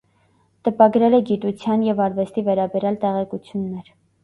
Տպագրել է գիտության և արվեստի վերաբերյալ տեղեկություններ։